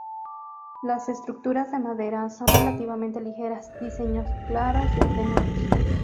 Las estructuras de madera son relativamente ligeras, diseño claros y ordenados.